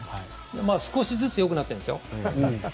少しずつ良くなってるんですよ。